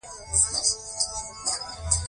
جمیلې اوس به خوند وکي.